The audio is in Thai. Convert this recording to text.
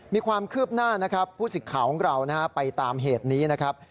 มีความคืบหน้าผู้สิทธิ์ข่าวของเราไปตามเหตุนี้